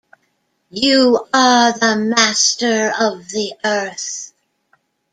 You are the Master of the Earth.